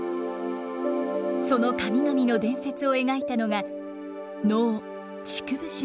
その神々の伝説を描いたのが能「竹生島」です。